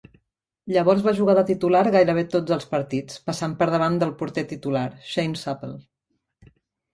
Llavors va jugar de titular gairebé tots els partits, passant per davant del porter titular, Shane Supple.